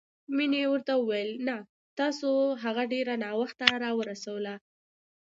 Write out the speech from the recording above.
مينې ورته وويل نه، تاسو هغه ډېره ناوخته راورسوله.